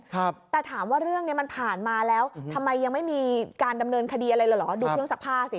ครับแต่ถามว่าเรื่องเนี้ยมันผ่านมาแล้วทำไมยังไม่มีการดำเนินคดีอะไรเลยเหรอดูเครื่องซักผ้าสิ